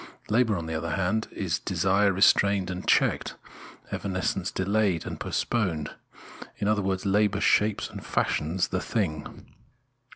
Labour, on the other hand, is desire restrained and checked, evanescence delayed and postponed; in other words, labour shapes and fashions the thing.